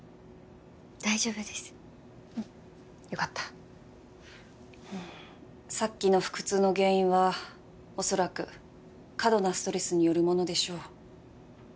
大丈夫ですうんよかったさっきの腹痛の原因は恐らく過度なストレスによるものでしょう